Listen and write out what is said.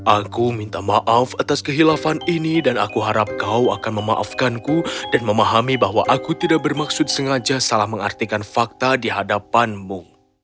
aku minta maaf atas kehilafan ini dan aku harap kau akan memaafkanku dan memahami bahwa aku tidak bermaksud sengaja salah mengartikan fakta di hadapanmu